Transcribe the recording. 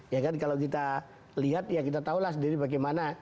ya kan kalau kita lihat ya kita tahulah sendiri bagaimana